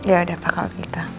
yaudah pak kalau gitu